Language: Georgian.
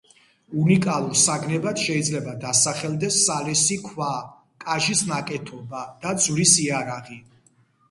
უნიკალურ საგნებად შეიძლება დასახელდეს სალესი ქვა, კაჟის ნაკეთობა და ძვლის იარაღი.